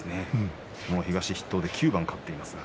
東筆頭で９番勝っています。